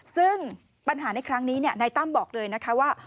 ซึ่งปัญหาในครั้งนี้นายตั้มบอกเลยนะคะว่า